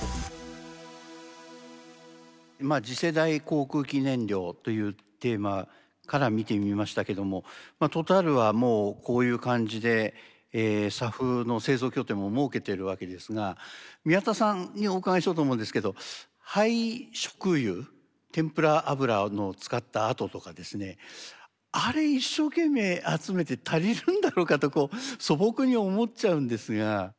「次世代航空機燃料」というテーマから見てみましたけどもＴｏｔａｌはもうこういう感じでＳＡＦの製造拠点も設けてるわけですが宮田さんにお伺いしようと思うんですけど廃食油てんぷら油の使ったあととかですねあれ一生懸命集めて足りるんだろうかとこう素朴に思っちゃうんですが。